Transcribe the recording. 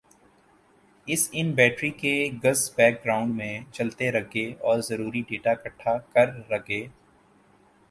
اس ان بیٹری کے گز بیک گراؤنڈ میں چلتے ر گے اور ضروری ڈیٹا اکھٹا کر ر گے